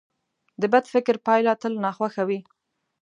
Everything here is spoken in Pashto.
د بد فکر پایله تل ناخوښه وي.